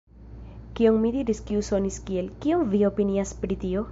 Kion mi diris kiu sonis kiel “kion vi opinias pri tio”?